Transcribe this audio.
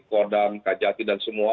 kodam kajati dan semua